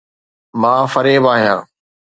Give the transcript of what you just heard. مان فريب آهيان